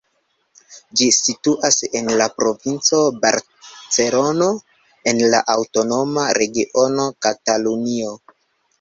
Ĝi situas en la Provinco Barcelono, en la aŭtonoma regiono Katalunio.